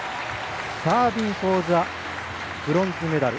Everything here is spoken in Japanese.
サービングフォーザブロンズメダル。